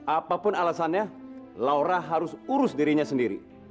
apapun alasannya laura harus urus dirinya sendiri